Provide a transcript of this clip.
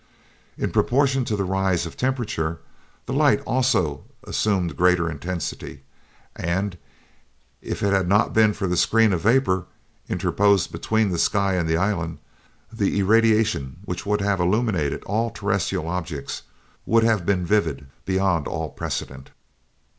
In proportion to the rise of temperature, the light also assumed greater intensity; and if it had not been for the screen of vapor interposed between the sky and the island, the irradiation which would have illumined all terrestrial objects would have been vivid beyond all precedent.